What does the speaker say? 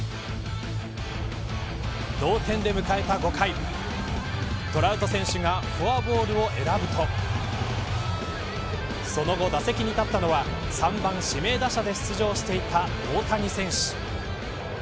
同点で迎えた５回トラウト選手がフォアボールを選ぶとその後、打席に立ったのは３番指名打者で出場していた大谷選手。